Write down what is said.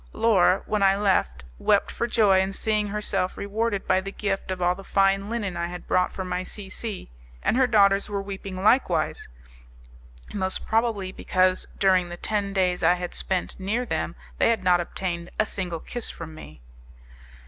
Laura, when I left, wept for joy in seeing herself rewarded by the gift of all the fine linen I had bought for my C C , and her daughters were weeping likewise, most probably because, during the ten days I had spent near them, they had not obtained a single kiss from me.